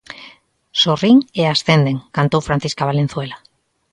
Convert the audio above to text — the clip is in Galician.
Sorrín e ascenden, cantou Francisca Valenzuela.